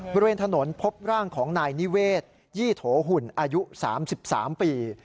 บริเวณถนนพบร่างของนายนิเวศยี่โถหุ่นอายุ๓๓ปี